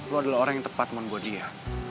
lo adalah orang yang tepat mon buat dia